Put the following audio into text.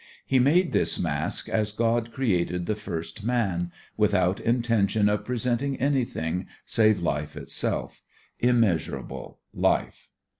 He made this mask as God created the first man, without intention of presenting anything save Life itself immeasurable Life.